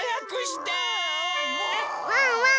ワンワン